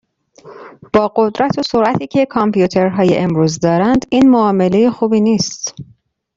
با قدرت و سرعتی که کامپیوترهای امروز دارند این معامله خوبی نیست.